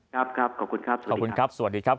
ครับขอบคุณครับสวัสดีครับ